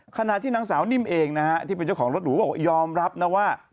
ขณะที่นางสาวนิ่มเองนะฮะที่เป็นเจ้าของรถหรูก็บอกยอมรับนะว่า